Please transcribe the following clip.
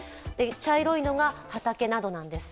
茶色いのが畑などです。